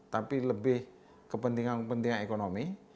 tapi lebih kepentingan kepentingan ekonomi